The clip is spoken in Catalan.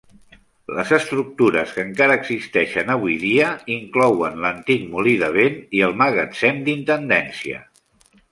Les estructura que encara existeixen avui dia inclouen l'antic molí de vent i el magatzem d'intendència.